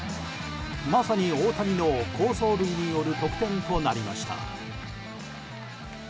まさに、大谷の好走塁による得点となりました。